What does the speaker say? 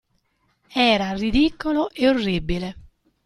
Era ridicolo e orribile.